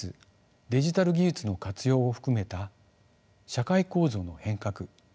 デジタル技術の活用を含めた社会構造の変革